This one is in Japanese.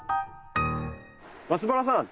松原さん